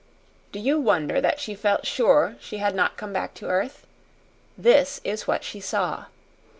Do you wonder that she felt sure she had not come back to earth? This is what she saw.